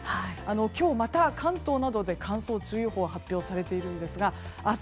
今日また関東などで乾燥注意報が発表されているんですが明日